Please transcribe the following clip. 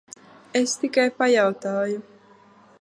Es tikai pajautāju.